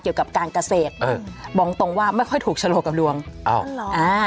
เกี่ยวกับการเกษตรเออบอกตรงตรงว่าไม่ค่อยถูกฉลกำลวงอ้าวเหรออ่า